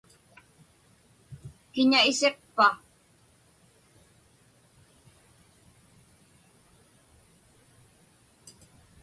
Kiña isiqpa?